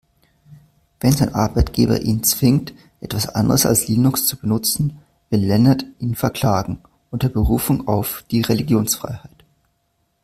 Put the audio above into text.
Wenn sein Arbeitgeber ihn zwingt, etwas anderes als Linux zu benutzen, will Lennart ihn verklagen, unter Berufung auf die Religionsfreiheit.